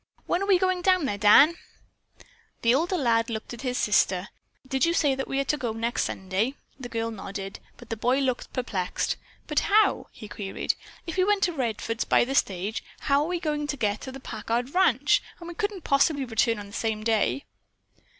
When are we going down there, Dan?" The older lad glanced at his sister. "Did you say that we are to go next Sunday?" The girl nodded, but the boy looked perplexed. "But how?" he queried. "If we went to Redfords by the stage, how are we to get to the Packard ranch? And we couldn't possibly return on the same day."